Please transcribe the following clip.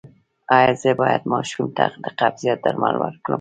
ایا زه باید ماشوم ته د قبضیت درمل ورکړم؟